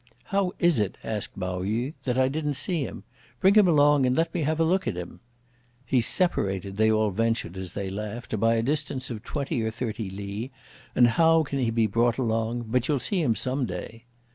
"How is it," asked Pao yü, "that I didn't see him? Bring him along and let me have a look at him!" "He's separated," they all ventured as they laughed, "by a distance of twenty or thirty li, and how can he be brought along? but you'll see him some day."